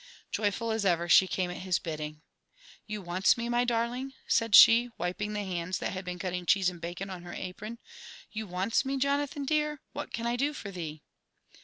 Joyfully as ever, she came at his bidding. *^ You wants me, my darling? " said she, wiping the hands that had been cutting cheese and bacon, on her apron. "You wants me, Jo^ nathan dear ? What can I do for thee